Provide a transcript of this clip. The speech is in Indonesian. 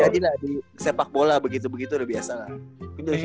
jadilah di sepak bola begitu begitu udah biasa lah